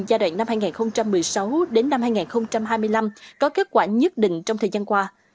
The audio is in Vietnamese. giai đoạn năm hai nghìn một mươi sáu đến năm hai nghìn hai mươi năm có kết quả nhất định trong thời gian qua